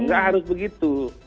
nggak harus begitu